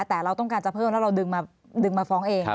แต่เราต้องการจะเพิ่มแล้วเราดึงมาฟ้องเอง